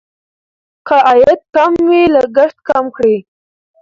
که عاید کم وي لګښت کم کړئ.